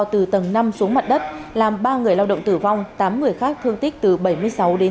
từ tầng năm xuống mặt đất làm ba người lao động tử vong tám người khác thương tích từ bảy mươi sáu đến chín mươi năm